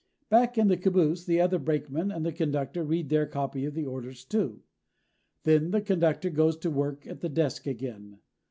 Back in the caboose the other brakeman and the conductor read their copy of the orders, too. Then the conductor goes to work at his desk again.